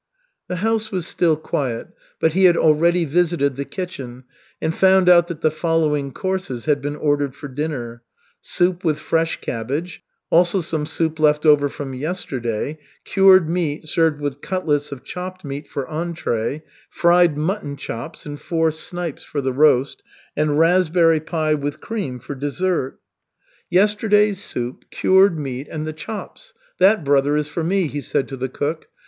The house was still quiet, but he had already visited, the kitchen and found out that the following courses had been ordered for dinner: soup with fresh cabbage, also some soup left over from yesterday, cured meat served with cutlets of chopped meat for entree, fried mutton chops and four snipes for the roast, and raspberry pie with cream for dessert. "Yesterday's soup, cured meat, and the chops that, brother, is for me," he said to the cook.